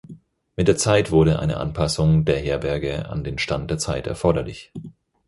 Mit der Zeit wurde eine Anpassung der Herberge an den Stand der Zeit erforderlich.